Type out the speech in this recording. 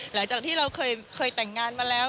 หลังจากที่เราเคยแต่งงานมาแล้ว